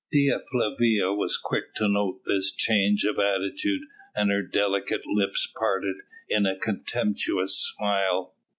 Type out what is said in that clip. Dea Flavia was quick to note this change of attitude, and her delicate lips parted in a contemptuous smile.